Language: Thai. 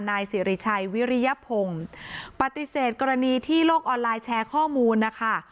นายสิริชัยวิริยพงศ์ปฏิเสธกรณีที่โลกออนไลน์แชร์ข้อมูลนะคะ